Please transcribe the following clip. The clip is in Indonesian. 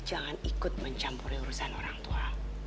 jangan ikut mencampuri urusan orang tua